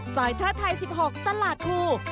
ซอยเทอร์ไทย๑๖สลาดภู